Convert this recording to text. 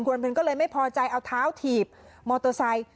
วันเพ็ญก็เลยไม่พอใจเอาเท้าถีบมอเตอร์ไซค์